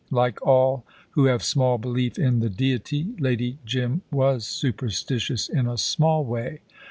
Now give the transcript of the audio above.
Like all who have small belief in the Deity, Lady Jim was superstitious in a small way.